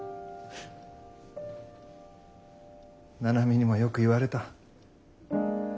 七海にもよく言われた。